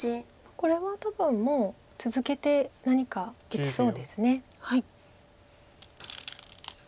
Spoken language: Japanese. これは多分もう続けて何か打ちそうです。